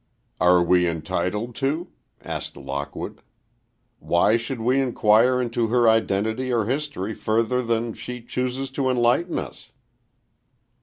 "Are we entitled to?" asked Lockwood. "Why should we inquire into her identity or history further than she chooses to enlighten us?"